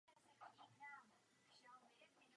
Jaká je odpověď a podpora Evropy pro potřeby těchto občanů?